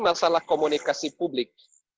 masalah komunikasi publik